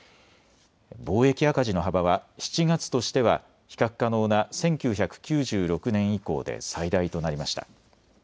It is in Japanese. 貿易赤字の幅は７月としては比較可能な１９９６年以降で最大となりました。